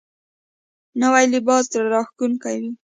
نوی لباس زړه راښکونکی وي